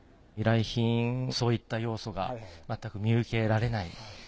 依頼品そういった要素がまったく見受けられない。